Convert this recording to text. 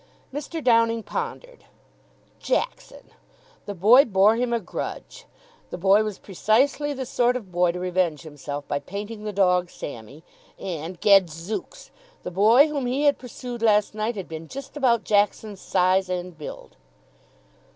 Mr. Downing pondered. Jackson! The boy bore him a grudge. The boy was precisely the sort of boy to revenge himself by painting the dog Sammy. And, gadzooks! The boy whom he had pursued last night had been just about Jackson's size and build!